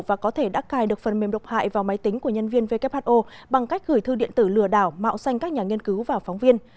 và có thể đắc cài được phần mềm độc hại vào máy tính của nhân viên who bằng cách gửi thư điện tử lừa đảo mạo danh các nhà nghiên cứu và phóng viên